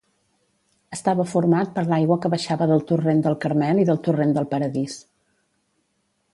Estava format per l'aigua que baixava del torrent del Carmel i del torrent del Paradís.